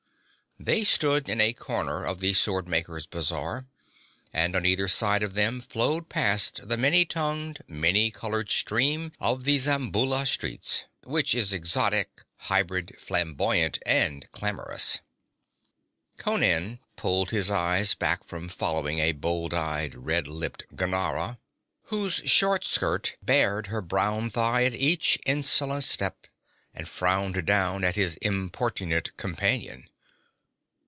They stood in a corner of the Sword Makers' Bazar, and on either side of them flowed past the many tongued, many colored stream of the Zamboula streets, which is exotic, hybrid, flamboyant and clamorous. Conan pulled his eyes back from following a bold eyed, red lipped Ghanara whose short skirt bared her brown thigh at each insolent step, and frowned down at his importunate companion.